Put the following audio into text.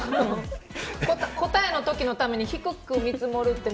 答えの時のために低く見積もるって。